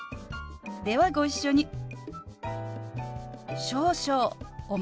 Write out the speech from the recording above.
ではご一緒に。